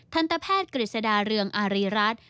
ทันตแพทย์กฤษฎาเรืองอารีรัฐ